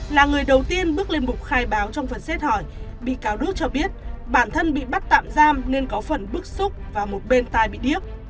là người đầu tiên bước lên mục khai báo trong phần xét hỏi bị cáo rút cho biết bản thân bị bắt tạm giam nên có phần bức xúc và một bên tai bị điếc